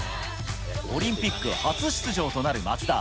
オリンピック初出場となる松田。